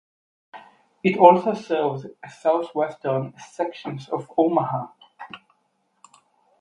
It also serves southwestern sections of Omaha.